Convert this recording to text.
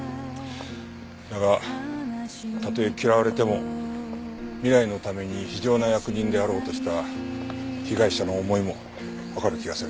だがたとえ嫌われても未来のために非情な役人であろうとした被害者の思いもわかる気がする。